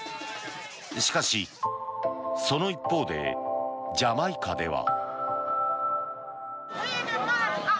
しかし、その一方でジャマイカでは。